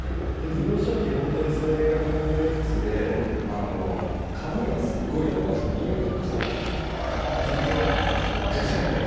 幼少期それがコンプレックスで髪をすごく伸ばして耳を隠していたんです。